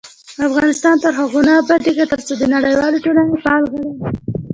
افغانستان تر هغو نه ابادیږي، ترڅو د نړیوالې ټولنې فعال غړي نشو.